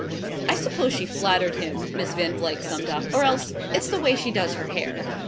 "I suppose she flattered him," Miss Van Vluyck summed up "or else it's the way she does her hair."